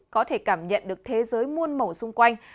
có thể cảm nhận được thế giới muôn màu xung quanh